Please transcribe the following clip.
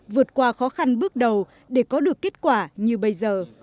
vượt qua khó khăn bước đầu để có được kết quả như bây giờ